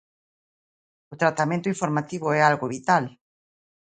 O tratamento informativo é algo vital.